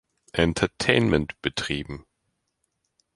Entertainment betrieben.